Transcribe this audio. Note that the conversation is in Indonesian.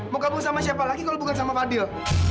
mau kabur sama siapa lagi kalo bukan sama fadil